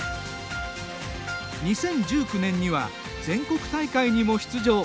２０１９年には全国大会にも出場。